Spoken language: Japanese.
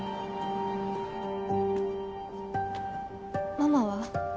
ママは？